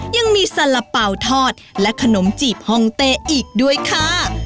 ยังมีสาระเป๋าทอดและขนมจีบฮองเต้อีกด้วยค่ะ